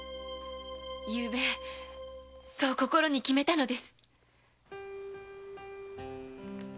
昨夜そう心に決めたのです！